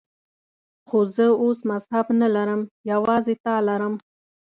خو زه اوس مذهب نه لرم، یوازې تا لرم.